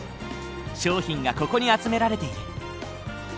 商品がここに集められている。